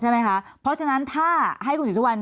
ใช่ไหมคะเพราะฉะนั้นถ้าให้คุณศรีสุวรรณ